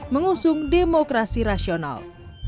mengusung demokrasi rasional